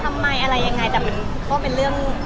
ทำไมอะไรยังไงแต่มันก็เป็นเรื่อง